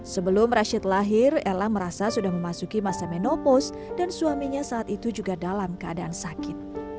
sebelum rashid lahir ella merasa sudah memasuki masa menopos dan suaminya saat itu juga dalam keadaan sakit